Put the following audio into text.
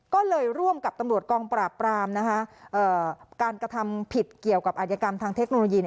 ก็เลยร่วมกับตำรวจกองปราบปรามการกระทำผิดเกี่ยวกับอาจยกรรมทางเทคโนโลยี